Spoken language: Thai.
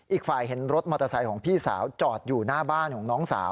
อีกฝ่ายเห็นรถมอเตอร์ไซค์ของพี่สาวจอดอยู่หน้าบ้านของน้องสาว